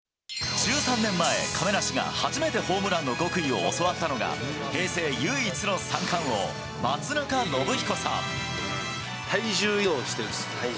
１３年前、亀梨が初めてホームランの極意を教わったのが、平成唯一の三冠王、体重移動して打つ。